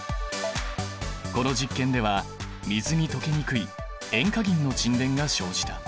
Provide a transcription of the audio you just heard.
この実験では水に溶けにくい塩化銀の沈殿が生じた。